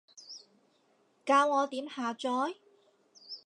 教我點下載？